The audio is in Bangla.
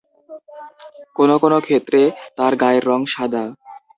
কোনো কোনো ক্ষেত্রে তার গায়ের রং সাদা।